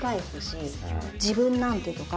自分なんてとか。